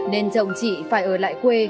nên chồng chị phải ở lại quê